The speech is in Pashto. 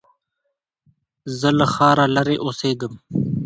زه له ښاره لرې اوسېږم.